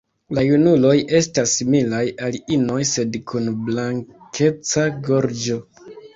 La junuloj estas similaj al inoj, sed kun blankeca gorĝo.